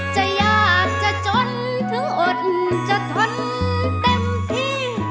จะยากจะจนถึงอดจะทนเต็มที่